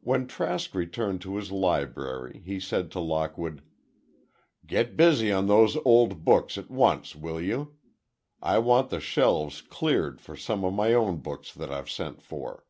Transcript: When Trask returned to his library he said to Lockwood, "Get busy on those old books at once, will you? I want the shelves cleared for some of my own books that I've sent for."